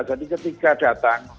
jadi ketika datang